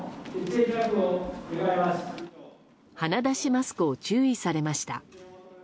鼻出しマスクを注意されました。